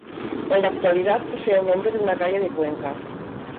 En la actualidad posee el nombre de una calle de Cuenca.